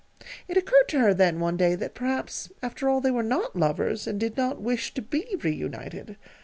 It occurred to her then, one day, that perhaps, after all, they were not lovers, and did not wish to be reunited.